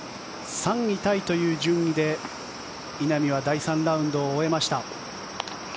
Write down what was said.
３位タイという順位で稲見は第３ラウンドを終えました。